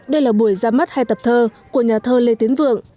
đây là buổi ra mắt hai tập thơ của nhà thơ lê tiến vượng